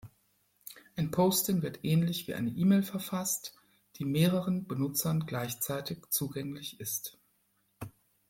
Ein Posting wird ähnlich wie eine E-Mail verfasst, die mehreren Benutzern gleichzeitig zugänglich ist.